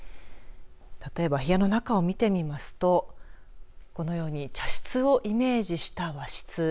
例えば部屋の中を見てみますとこのように茶室をイメージした和室。